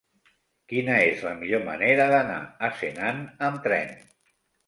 Quina és la millor manera d'anar a Senan amb tren?